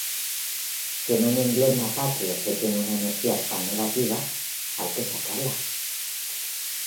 Si en un emblema patrio se tiene una energía tan negativa, hay que sacarla".